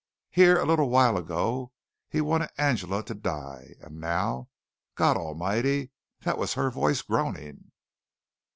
Here a little while ago, he wanted Angela to die, and now, God Almighty, that was her voice groaning!